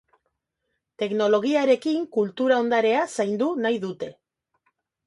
Teknologiarekin kultura ondarea zaindu nahi dute.